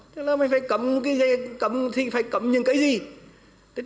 thế là mình phải cấm cái gì cấm thì phải cấm những cái gì